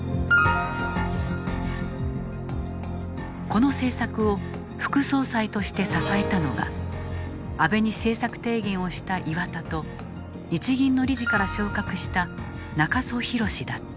この政策を副総裁として支えたのが安倍に政策提言をした岩田と日銀の理事から昇格した中曽宏だった。